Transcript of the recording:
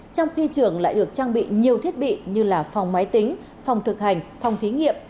trong khi trường lại được trang bị nhiều thiết bị như là phòng máy tính phòng thực hành phòng thí nghiệm